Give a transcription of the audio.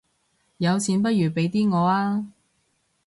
有錢不如俾啲我吖